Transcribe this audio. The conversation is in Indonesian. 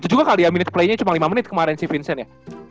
ya juga kali ya menit pakai nya cuma lima menit kemarin si vincent ya